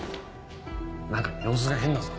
何か様子が変だぞ。